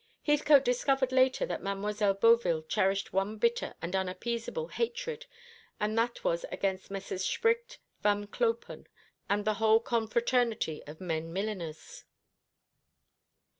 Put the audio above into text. Heathcote discovered later that Mademoiselle Beauville cherished one bitter and unappeasable hatred, and that was against Messrs. Spricht, Van Klopen, and the whole confraternity of men milliners.